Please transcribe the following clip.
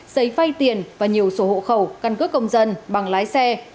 giấy vay tiền và nhiều sổ hộ khẩu căn cước công dân bằng lái xe